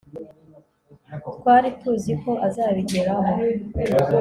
twari tuzi ko azabigeraho